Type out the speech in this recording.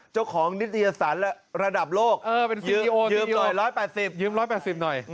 เจ้าของนิตยสารระดับโลกยืม๑๘๐หน่อย